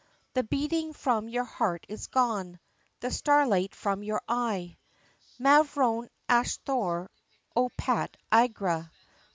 The beatin' from your heart is gone! The starlight from your eye, Mavrone Asthore, O Pat agra!